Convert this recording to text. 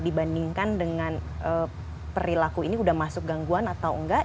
dibandingkan dengan perilaku ini sudah masuk gangguan atau enggak